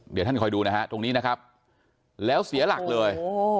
เดี๋ยวท่านคอยดูนะฮะตรงนี้นะครับแล้วเสียหลักเลย